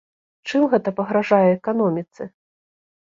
Чым гэта пагражае эканоміцы?